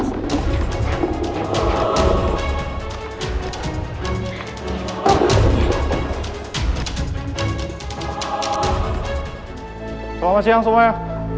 selamat siang semuanya